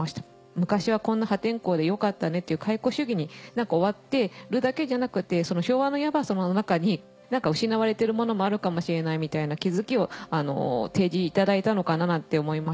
「昔はこんな破天荒で良かったね」という懐古主義に終わってるだけじゃなくて昭和のヤバさの中に何か失われてるものもあるかもしれないみたいな気付きを提示いただいたのかななんて思いました。